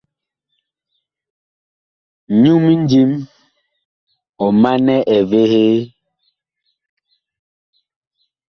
Nyu mindím ɔ manɛ evehee.